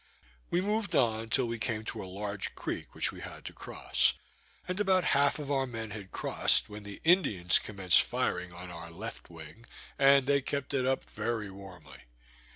We moved on till we came to a large creek which we had to cross; and about half of our men had crossed, when the Indians commenced firing on our left wing, and they kept it up very warmly.